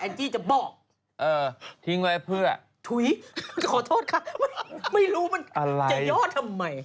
ไม่รู้จะย่อทำไม